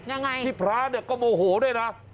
ยังไงพี่พระก็โมโหด้วยนะ